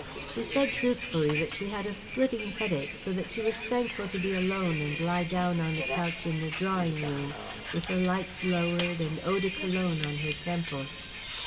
She said truthfully that she had a splitting headache, so that she was thankful to be alone and lie down on a couch in the drawing room with the lights lowered and eau de Cologne on her temples.